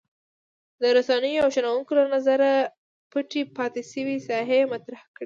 رسنیو او شنونکو له نظره پټې پاتې شوې ساحې یې مطرح کړې.